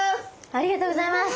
ありがとうございます。